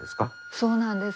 そうなんです。